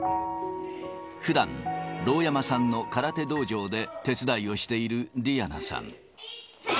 ふだん、盧山さんの空手道場で手伝いをしているディアナさん。